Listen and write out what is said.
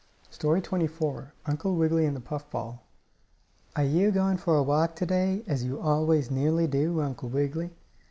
STORY XXIV UNCLE WIGGILY AND THE PUFF BALL "Are you going for a walk to day, as you nearly always do, Uncle Wiggily?"